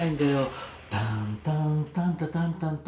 タンタンタンタタンタンタンタンタンタン